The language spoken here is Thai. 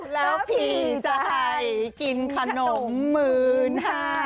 แล้วพี่จะให้กินขนมหมื่นค่ะ